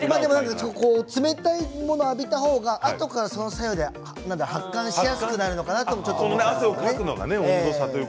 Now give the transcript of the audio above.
冷たいものを浴びた方があとからその作用で発汗しやすくなるのかなとちょっと思ったんです。